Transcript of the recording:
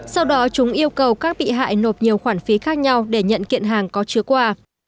sau đó chúng yêu cầu các bị hại nộp nhiều khoản phí khác nhau để nhận kiện hàng có chứa quà